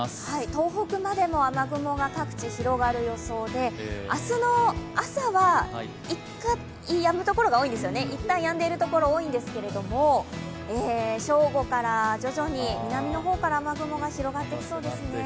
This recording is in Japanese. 東北まで雨雲が各地、広がる予想で、明日の朝はいったん、やむところが多いんですけれども、正午から徐々に南の方から雨雲が広がってきそうですね。